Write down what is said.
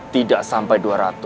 tidak sampai dua ratus